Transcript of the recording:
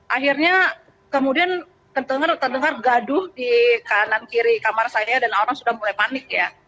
akhirnya kemudian terdengar gaduh di kanan kiri kamar saya dan orang sudah mulai panik ya